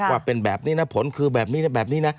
ว่าเป็นแบบนี้นะผลคือแบบนี้นะแบบนี้นะ